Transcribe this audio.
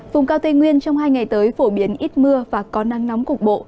vùng cao tây nguyên trong hai ngày tới phổ biến ít mưa và có nắng nóng cục bộ